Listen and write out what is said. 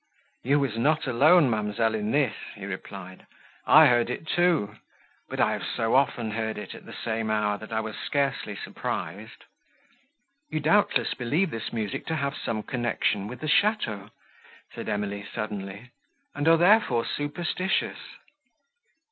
"You were not alone, ma'amselle, in this," he replied, "I heard it too; but I have so often heard it, at the same hour, that I was scarcely surprised." "You doubtless believe this music to have some connection with the château," said Emily suddenly, "and are, therefore, superstitious."